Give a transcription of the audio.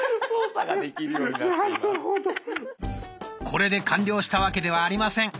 これで完了したわけではありません。